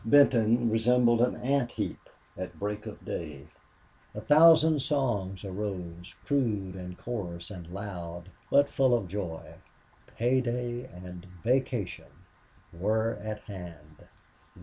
Benton resembled an ant heap at break of day. A thousand songs arose, crude and coarse and loud, but full of joy. Pay day and vacation were at hand!